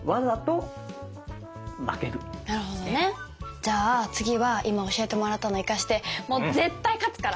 じゃあ次は今教えてもらったのを生かしてもう絶対勝つから。